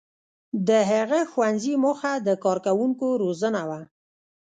• د هغه ښوونځي موخه د کارکوونکو روزنه وه.